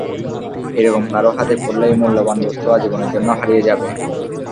এরকম কারো হাতে পড়লে এই মূল্যবান বস্তু আজীবনের জন্য হারিয়ে যাবে!